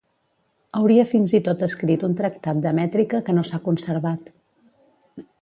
Hauria fins i tot escrit un tractat de mètrica que no s'ha conservat.